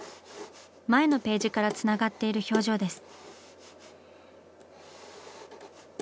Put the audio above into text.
前のページからつながっている表情です。